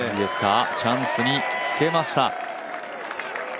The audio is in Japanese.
チャンスにつけました。